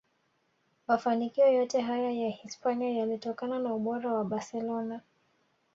Mafanikio yote haya ya Hispania yalitokana na ubora wa Barcelona